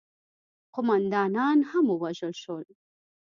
قوماندانان هم ووژل شول.